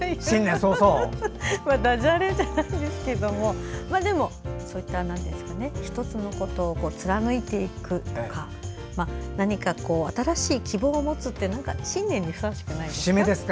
だじゃれじゃないですけれどもでも、そういった１つのことを貫いていくとか何か新しい希望を持つって新年にふさわしくないですか？